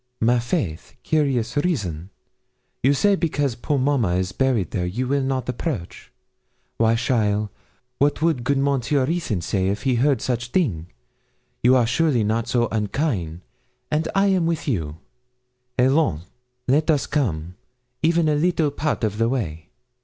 'My faith, curious reason; you say because poor mamma is buried there you will not approach! Why, cheaile, what would good Monsieur Ruthyn say if he heard such thing? You are surely not so unkain', and I am with you. Allons. Let us come even a little part of the way.'